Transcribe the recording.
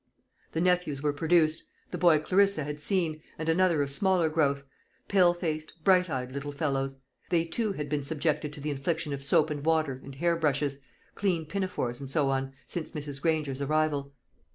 The nephews were produced; the boy Clarissa had seen, and another of smaller growth pale faced, bright eyed little fellows; They too had been subjected to the infliction of soap and water and hair brushes, clean pinafores, and so on, since Mrs. Granger's arrival.